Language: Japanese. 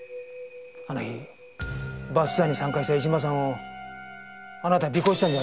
あの日バスツアーに参加した江島さんをあなた尾行したんじゃありませんか？